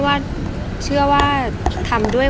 ภาษาสนิทยาลัยสุดท้าย